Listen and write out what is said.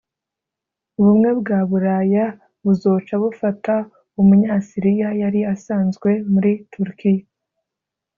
Ubumwe bwa Bulaya buzoca bufata umunya Syria yari asanzwe muri Turkiya